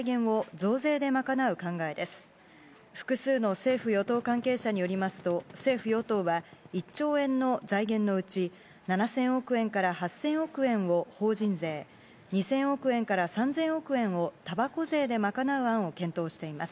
複数の政府・与党関係者によりますと、政府・与党は、１兆円の財源のうち、７０００億円から８０００億円を法人税、２０００億円から３０００億円をたばこ税で賄う案を検討しています。